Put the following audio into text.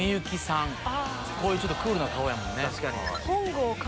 こういうクールな顔やもんね。